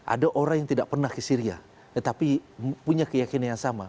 ada orang yang tidak pernah ke syria tetapi punya keyakinan yang sama